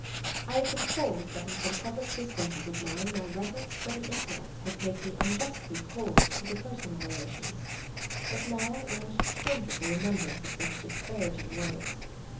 I have been told that in some public discourses of mine my reverence for the intellect has made me unjustly cold to the personal relations. But now I almost shrink at the remembrance of such disparaging words.